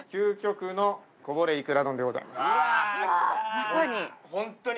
まさに。